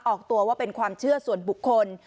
ออกตัวว่าเป็นความเชื่อส่วนบุคคล